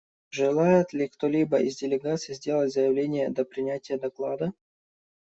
Желает ли кто-либо из делегаций сделать заявление до принятия доклада?